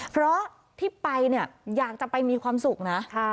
เพราะที่ไปเนี่ยอยากจะไปมีความสุขนะ